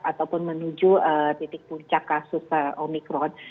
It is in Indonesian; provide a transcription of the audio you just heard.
ataupun menuju titik puncak kasus omikron